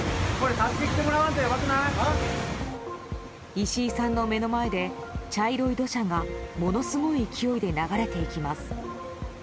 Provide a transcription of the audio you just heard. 石井さんの目の前で茶色い土砂がものすごい勢いで流れていきます。